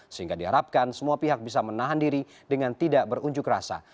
sehingga diharapkan semua pihak bisa menahan diri dengan tidak berunjuk rasa